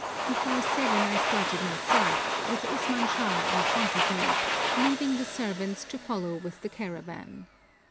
Before seven I started myself, with Usman Shah in front of me, leaving the servants to follow with the caravan.